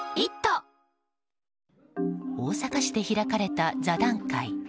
大阪市で開かれた座談会。